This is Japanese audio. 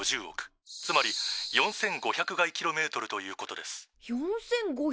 つまり４，５００垓ｋｍということです」。